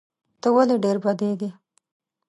ته ولي ډېر بیدېږې؟